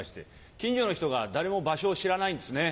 近所の人が誰も場所を知らないんですね。